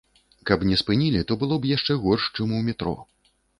Каб не спынілі, то было б яшчэ горш, чым у метро.